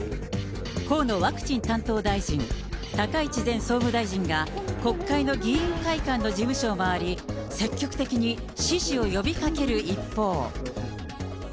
河野ワクチン担当大臣、高市前総務大臣が、国会の議員会館の事務所を回り、積極的に支持を呼びかける一方。